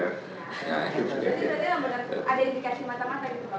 jadi ada indikasi mata mata gitu